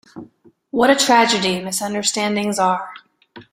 What a tragedy misunderstandings are.